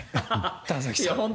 田崎さん。